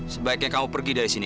sebaiknya kamu pergi dari sini